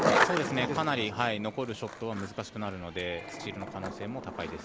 かなり残るショットは難しくなるのでスチールの可能性も。